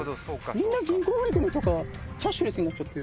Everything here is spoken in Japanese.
みんな銀行振り込みとかキャッシュレスになっちゃって。